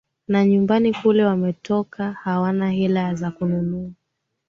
na nyumbani kule wametoka hawana hela za kununua